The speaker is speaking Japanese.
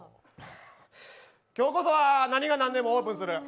今日こそは何が何でもオープンする。